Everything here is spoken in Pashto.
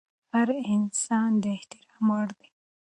هر انسان د احترام وړ دی.